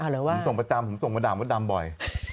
ผมส่งประจำส่งประดามประดามบ่อย